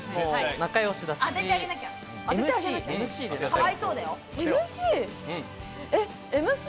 仲良しだし、ＭＣ。